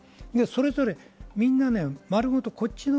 それぞれみんな丸ごと。